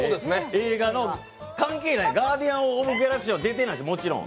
映画の、関係ない、「ガーディアンズ・オブ・ギャラクシー」は出てないです、もちろん。